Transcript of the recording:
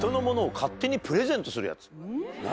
何？